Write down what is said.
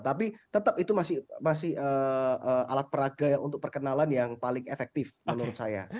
tapi tetap itu masih alat peraga untuk perkenalan yang paling efektif menurut saya